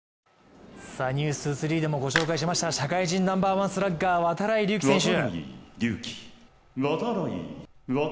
「ｎｅｗｓ２３」でもご紹介しました、社会人ナンバーワンスラッガー度会隆輝選手。